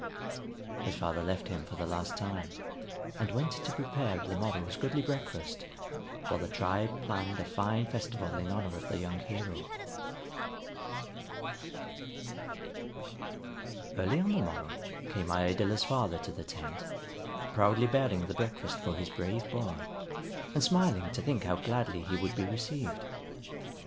His father left him for the last time, and went to prepare the morrow's goodly breakfast, while the tribe planned a fine festival in honor of the young hero. Early on the morrow came Iadilla's father to the tent, proudly bearing the breakfast for his brave boy, and smiling to think how gladly he would be received.